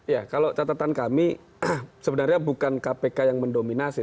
ya kalau catatan kami sebenarnya bukan kpk yang mendominasi